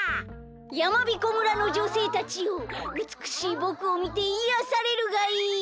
やまびこ村のじょせいたちようつくしいぼくをみていやされるがいい！